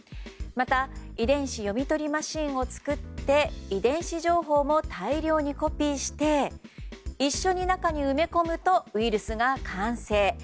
また遺伝子読み取りマシンを作って遺伝子情報も大量にコピーして一緒に中に埋め込むとウイルスが完成。